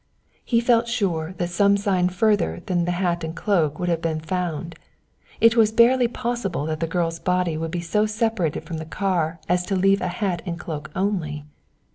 He felt sure that some sign further than the hat and cloak would have been found. It was barely possible that the girl's body would be so separated from the car as to leave a hat and cloak only.